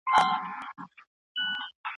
چي فکرونه د نفاق پالي په سر کي